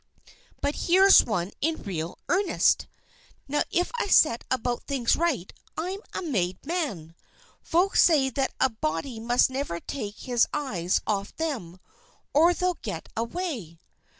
But here's one in real earnest! Now if I set about things right, I'm a made man! Folks say that a body must never take his eyes off them or they'll get away."